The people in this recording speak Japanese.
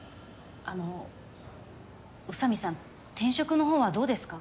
あの宇佐美さん転職のほうはどうですか？